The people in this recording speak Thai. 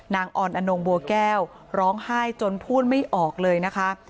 ออนอนงบัวแก้วร้องไห้จนพูดไม่ออกเลยนะคะ